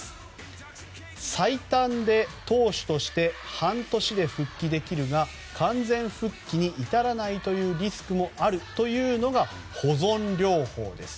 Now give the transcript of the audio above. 最短で投手として半年で復帰できるが完全復帰に至らないというリスクもあるというのが保存療法です。